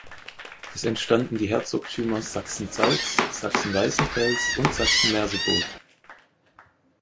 Es entstanden die Herzogtümer Sachsen-Zeitz, Sachsen-Weißenfels und Sachsen-Merseburg.